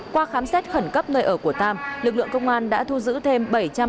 qua khám xét khẩn cấp nơi ở của tam lực lượng công an đã thu giữ thêm